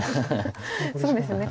そうですね